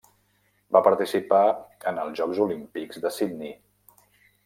Va participar en els Jocs Olímpics de Sydney.